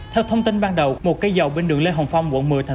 theo thông tin ban đầu một cây dầu bên đường lê hồng phong quận một mươi một